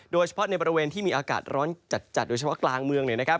โดยเฉพาะในบริเวณที่มีอากาศร้อนจัดโดยเฉพาะกลางเมือง